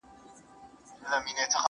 که وچ لرګی ومه وچ پوست او څو نري تارونه،